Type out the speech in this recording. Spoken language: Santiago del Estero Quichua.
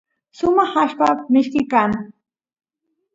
sumaq allpa mishki kan